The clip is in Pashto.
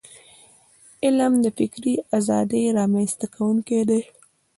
علم د فکري ازادی رامنځته کونکی دی.